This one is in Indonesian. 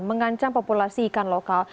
mengancam populasi ikan lokal